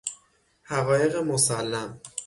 حقایق مسلم